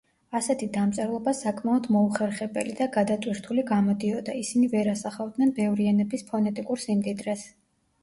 ასეთი დამწერლობა საკმაოდ მოუხერხებელი და გადატვირთული გამოდიოდა, ისინი ვერ ასახავდნენ ბევრი ენების ფონეტიკურ სიმდიდრეს.